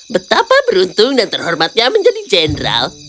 betapa beruntung dan terhormatnya menjadi jenderal